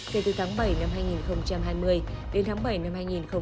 kể từ tháng bảy năm hai nghìn hai mươi đến tháng bảy năm hai nghìn hai mươi